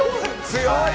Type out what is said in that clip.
強い！